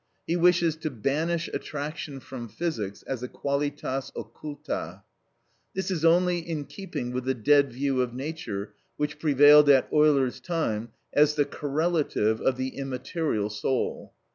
He wishes to banish attraction from physics as a qualitas occulta. This is only in keeping with the dead view of nature which prevailed at Euler's time as the correlative of the immaterial soul.